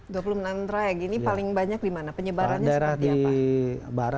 dua puluh enam trayek ini paling banyak di mana penyebarannya seperti apa